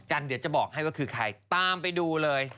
เดี๋ยวจะบอกให้ว่าคือใครตามไปดูเลย